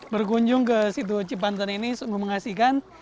berkunjung ke situ cipanten ini sungguh mengasihkan